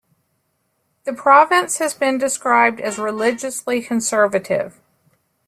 The province has been described as "religiously conservative".